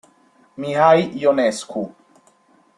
Mihai Ionescu